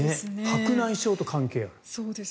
白内障と関係がある。